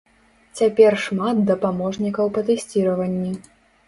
Цяпер шмат дапаможнікаў па тэсціраванні.